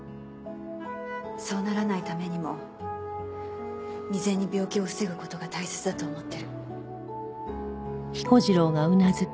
そうならないためにも未然に病気を防ぐ事が大切だと思ってる。